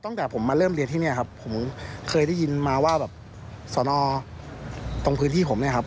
กว่าพี่และพี่เต้ไปดังนี้ครับ